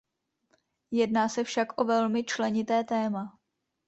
Jedná se však o velmi členité téma.